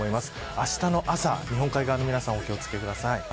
あしたの朝、日本海側の皆さんお気を付けください。